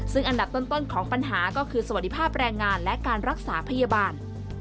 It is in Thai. ซึ่งอันดับต้นของปัญหาก็คือสวัสดิภาพแรงงานและการรักษาพยาบาล